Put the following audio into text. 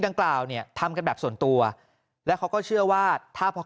ดังกล่าวเนี่ยทำกันแบบส่วนตัวแล้วเขาก็เชื่อว่าถ้าพอ